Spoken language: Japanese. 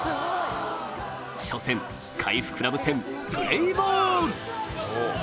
初戦海部クラブ戦プレーボール！